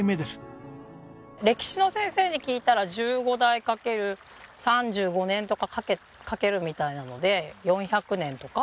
歴史の先生に聞いたら１５代×３５年とか掛けるみたいなので４００年とか。